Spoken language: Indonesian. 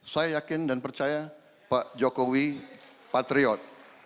saya yakin dan percaya pak jokowi patriot